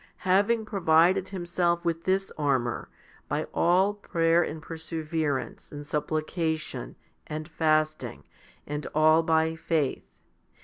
Having provided himself with this armour by all prayer and perseverance and supplication and fasting, and all by faith